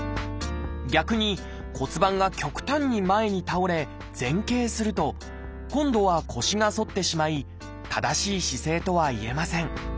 逆に骨盤が極端に前に倒れ前傾すると今度は腰が反ってしまい正しい姿勢とはいえません。